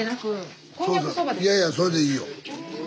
いやいやそれでいいよ。